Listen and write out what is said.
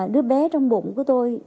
đứa bé trong bụng của tôi